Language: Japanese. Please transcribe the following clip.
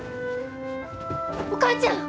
お母ちゃん！